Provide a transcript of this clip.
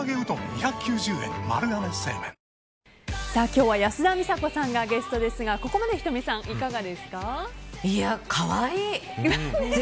今日は安田美沙子さんがゲストですがここまで仁美さんいかがですか。